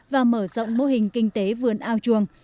và mở rộng mô hình kinh tế vườn ao chuồng